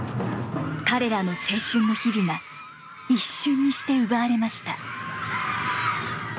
彼らの青春の日々が一瞬にして奪われました。